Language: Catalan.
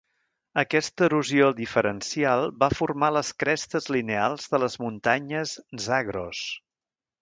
Aquesta erosió diferencial va formar les crestes lineals de les muntanyes Zagros.